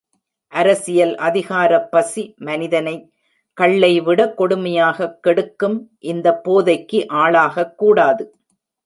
அரசியல் அதிகாரப்பசி, மனிதனை கள்ளை விட கொடுமையாகக் கெடுக்கும், இந்தப் போதைக்கு ஆளாகக்கூடாது.